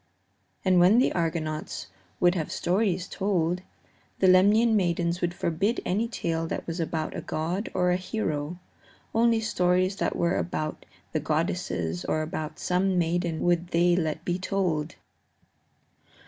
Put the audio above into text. And when the Argonauts would have stories told, the Lemnian maidens would forbid any tale that was about a god or a hero; only stories that were about the goddesses or about some maiden would they let be told.